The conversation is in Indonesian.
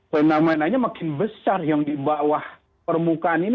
fenomenanya makin besar yang di bawah permukaan ini